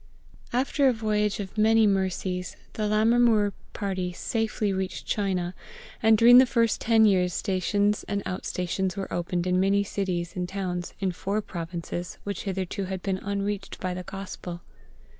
After a voyage of many mercies the Lammermuir party safely reached China, and during the first ten years stations and out stations were opened in many cities and towns in four provinces which hitherto had been unreached by the Gospel.